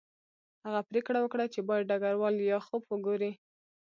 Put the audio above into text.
هغه پریکړه وکړه چې باید ډګروال لیاخوف وګوري